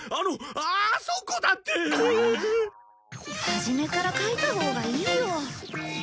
初めから描いたほうがいいよ。